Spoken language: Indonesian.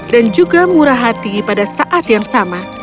dan juga murah hati pada saat yang sama